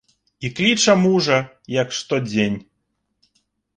І кліча мужа, як штодзень.